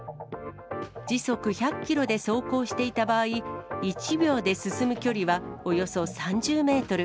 時速１００キロで走行していた場合、１秒で進む距離はおよそ３０メートル。